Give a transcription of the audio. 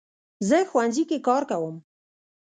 زه ښوونځي کې کار کوم